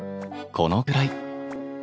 このくらい。